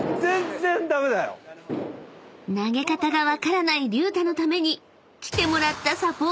［投げ方が分からない隆太のために来てもらった］